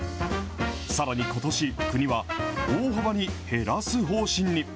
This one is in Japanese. さらにことし、国は大幅に減らす方針に。